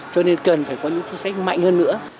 cho nên cần phải có những chính sách mạnh hơn nữa